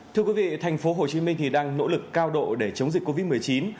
thưa quý vị thành phố hồ chí minh đang nỗ lực cao độ để chống dịch covid một mươi chín